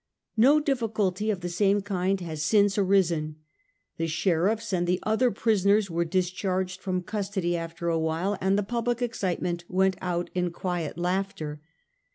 No difficulty of the same kind has since arisen. The sheriffs and the other prisoners were discharged from custody after a while, and the public excitement went out in quiet laughter.